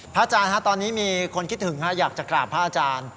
อาจารย์ตอนนี้มีคนคิดถึงอยากจะกราบพระอาจารย์